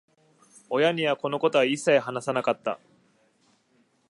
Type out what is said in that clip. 親には、このことは一切話さなかった。